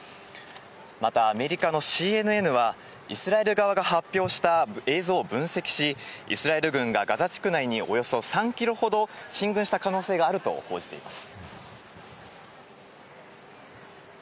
また、アメリカのＣＮＮは、イスラエル側が発表した映像を分析し、イスラエル軍がガザ地区内におよそ３キロほど進軍した可能性があると報じています。